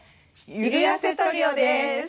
ゆるやせトリオです。